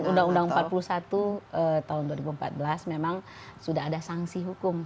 dan undang undang empat puluh satu tahun dua ribu empat belas memang sudah ada sanksi hukum